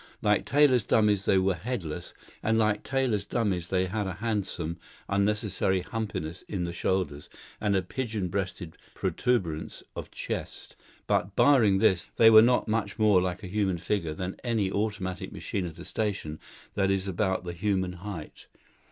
Like tailors' dummies they were headless; and like tailors' dummies they had a handsome unnecessary humpiness in the shoulders, and a pigeon breasted protuberance of chest; but barring this, they were not much more like a human figure than any automatic machine at a station that is about the human height.